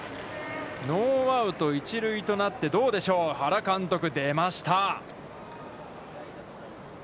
ノーアウト、一塁となってどうでしょう、原監督、出ました。